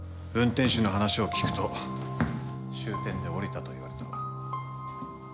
運転手の話を聞くと終点で降りたと言われた。